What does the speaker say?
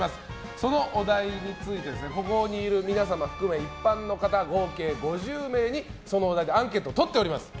そのお題についてここにいる皆さん含め一般の方合計５０名にそのお題でアンケートをとっております。